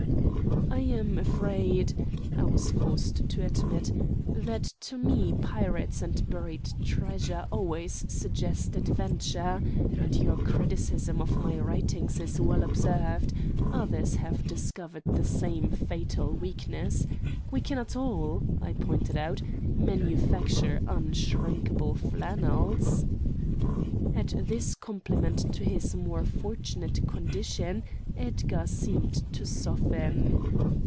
"I am afraid," I was forced to admit, "that to me pirates and buried treasure always suggest adventure. And your criticism of my writings is well observed. Others have discovered the same fatal weakness. We cannot all," I pointed out, "manufacture unshrinkable flannels." At this compliment to his more fortunate condition, Edgar seemed to soften.